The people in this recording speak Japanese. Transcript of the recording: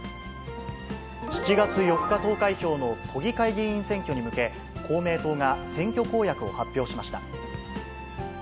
７月４日投開票の都議会議員選挙に向けて、公明党が選挙公約を発表しました。